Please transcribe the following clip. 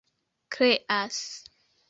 kreas